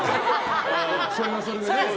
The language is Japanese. それはそれでね。